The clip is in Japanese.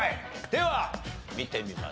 では見てみましょう。